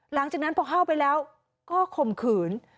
หลังจากนั้นพอเข้าไปแล้วก็ข่มขืน